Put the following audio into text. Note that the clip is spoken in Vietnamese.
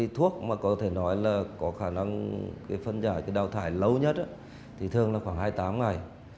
thuốc có khả năng phân giải đào thải lâu nhất thường khoảng hai mươi tám ngày